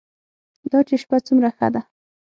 دا چې شپه څومره ښه ده.